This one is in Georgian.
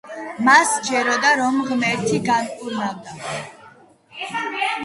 მას სჯეროდა, რომ ღმერთი განკურნავდა.